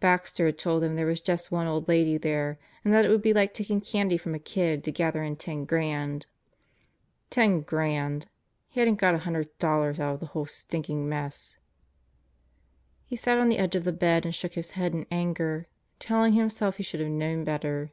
Baxter had told them there was just one old lady there and that it would be like taking candy from a kid to gather in ten grand. Ten grand! ... He hadn't got a hundred dollars out of the whole stinking mess. He sat on the edge of the bed and shook his head in anger telling himself he should have known better.